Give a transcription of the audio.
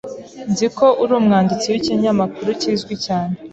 Nzi ko uri umwanditsi w'ikinyamakuru kizwi cyane.